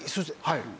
はい。